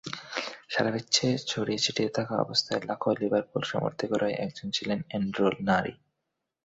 সারা বিশ্বে ছড়িয়ে-ছিটিয়ে থাকা লাখো লিভারপুল সমর্থকেরই একজন ছিলেন অ্যান্ড্রু নারি।